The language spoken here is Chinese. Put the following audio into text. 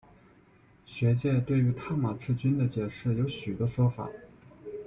学界对于探马赤军的解释有许多说法。